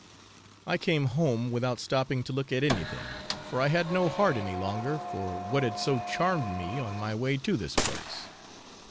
I came home without stopping to look at anything, for I had no heart any longer for what had so charmed me on my way to this place.